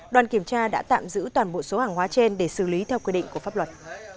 đoàn kiểm tra đã tạm giữ toàn bộ số hàng hóa trên để xử lý theo quy định của pháp luật